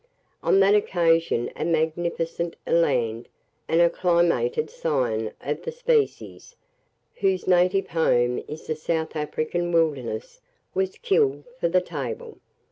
On that occasion a magnificent eland, an acclimated scion of the species whose native home is the South African wilderness, was killed for the table.